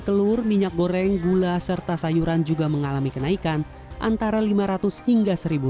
telur minyak goreng gula serta sayuran juga mengalami kenaikan antara lima ratus hingga seribu